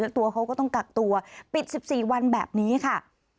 ตัวเขาก็ต้องกักตัวปิด๑๔วันแบบนี้ค่ะ